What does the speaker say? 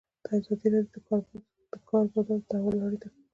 ازادي راډیو د د کار بازار د تحول لړۍ تعقیب کړې.